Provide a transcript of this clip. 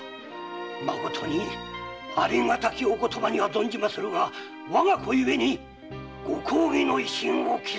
まことにありがたきお言葉には存じまするがわが子ゆえにご公儀の威信を傷つけましたるは必定。